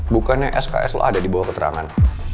bukannya sks lo ada di bawah keterangan